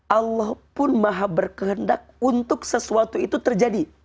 allah pun maha berkehendak untuk sesuatu itu terjadi